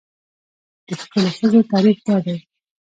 د ښکلې ښځې تعریف دا دی.